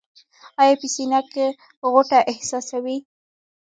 ایا په سینه کې غوټه احساسوئ؟